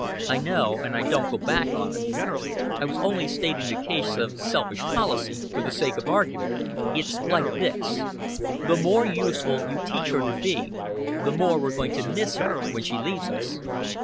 "I know; and I don't go back on it. I was only stating the case of selfish policy, for the sake of argument. It's like this. The more useful you teach her to be, the more we're going to miss her when she leaves us."